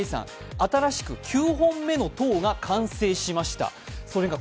新しく９本目の塔が完成しました。